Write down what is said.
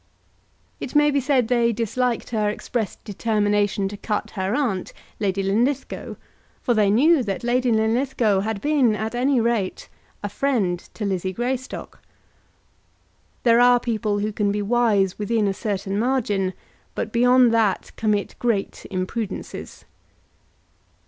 It may be said they disliked her expressed determination to cut her aunt, Lady Linlithgow; for they knew that Lady Linlithgow had been, at any rate, a friend to Lizzie Greystock. There are people who can be wise within a certain margin, but beyond that commit great imprudences.